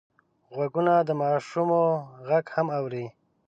غوږونه د غوماشو غږ هم اوري